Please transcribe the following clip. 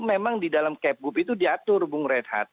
memang di dalam kbup itu diatur bung rehat